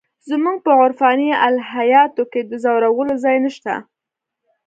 زموږ په عرفاني الهیاتو کې د ځورولو ځای نشته.